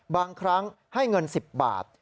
บางครั้งให้เงิน๑๐บาท